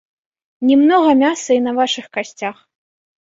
Не многа мяса і на вашых касцях.